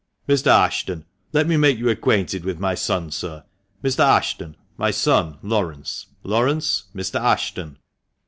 " Mr. Ashton, let me make you acquainted with my son, sir — Mr. Ashton, my son Laurence ; Laurence, Mr. Ashton."